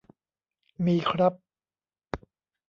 มีครับ